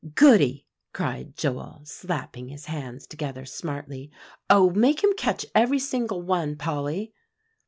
'" "Goody!" cried Joel, slapping his hands together smartly. "Oh! make him catch every single one, Polly."